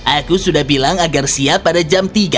aku sudah bilang agar siap pada jam tiga